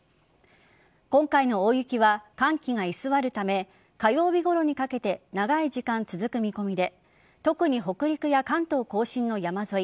今回の大雪は寒気が居座るため火曜日ごろにかけて長い時間続く見込みで特に北陸や関東甲信の山沿い